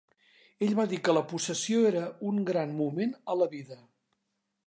Ell va dir que la possessió era un gran moment a la vida.